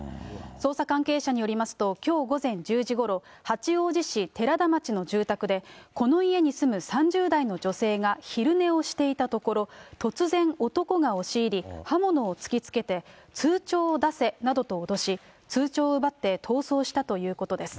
捜査関係者によりますと、きょう午前１０時ごろ、八王子市てらだ町の住宅で、この家に住む３０代の女性が昼寝をしていたところ、突然、男が押し入り、刃物を突きつけて、通帳を出せなどと脅し、通帳を奪って逃走したということです。